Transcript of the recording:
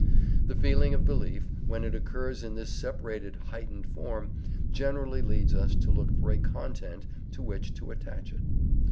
The feeling of belief, when it occurs in this separated heightened form, generally leads us to look for a content to which to attach it.